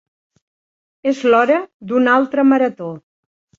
És l'hora d'una altra marató.